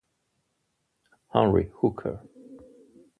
Henry Hooker